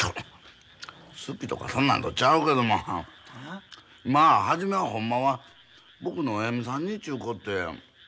好きとかそんなんとちゃうけどもまあ初めはほんまは僕のお嫁さんにちゅうことやん。